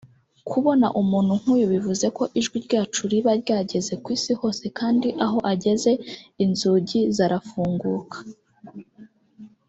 Kubona umuntu nk’uyu bivuze ko ijwi ryacu riba ryageze ku Isi hose kandi aho ageze inzugi zarafunguka